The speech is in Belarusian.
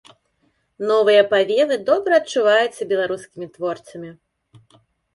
Новыя павевы добра адчуваюцца беларускімі творцамі.